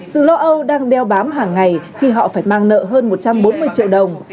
dù lo âu đang đeo bám hàng ngày khi họ phải mang nợ hơn một trăm bốn mươi triệu đồng